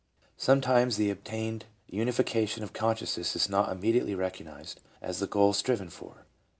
Sometimes the obtained unification of consciousness is not immediately recognized as the goal striven for.